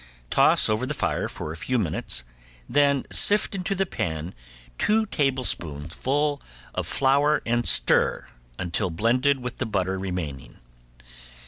Toss over the fire for a few minutes, then sift into the pan two tablespoonfuls of flour and stir until blended with the butter remaining.